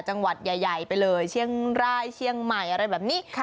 จังหวัดใหญ่ไปเลยเชียงรายเชียงใหม่อะไรแบบนี้